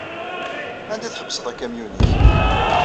Anda ay tḥebbseḍ akamyun-nnek?